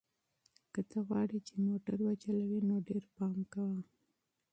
که ته غواړې چې موټر وچلوې نو ډېر پام کوه.